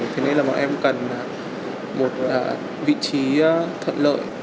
thế nên là bọn em cần một vị trí thuận lợi